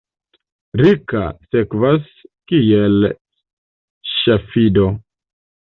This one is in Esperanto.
Rika, sekvas kiel ŝafido.